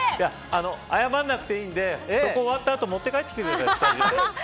謝らなくていいので終わった後持って帰ってきてください。